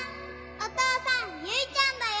お父さんゆいちゃんだよ。